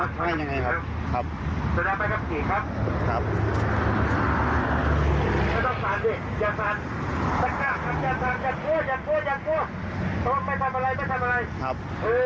สวัสดีครับ